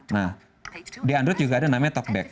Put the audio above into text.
nah di android juga ada namanya tockback